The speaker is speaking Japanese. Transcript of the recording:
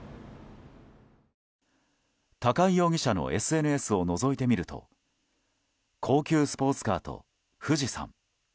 高井容疑者のＳＮＳをのぞいてみると高級スポーツカーと富士山。